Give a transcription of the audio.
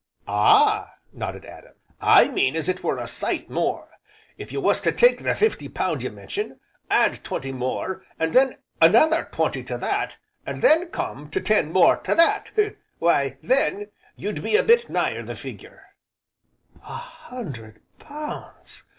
"Ah!" nodded Adam, "I mean as it were a sight more. If you was to take the fifty pound you mention, add twenty more, and then another twenty to that, and then come ten more to that, why then you'd be a bit nigher the figure " "A hundred pounds!"